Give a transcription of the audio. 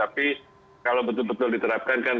tapi kalau betul betul diterapkan kan